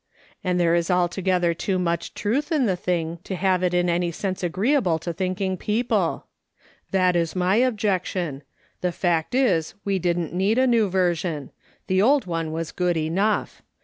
And there is altogether too much truth in the lliug to have it in any sense agreeable to thinking people. "SIIO! THAT ARGUMENT UPSETS ITSELF." 271 " That is my objection. The fact is, we didn't need a New Version ; the old one was good enough.